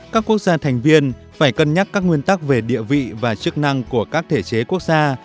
các quốc gia thành viên phải cân nhắc các nguyên tắc về địa vị và chức năng của các thể chế quốc gia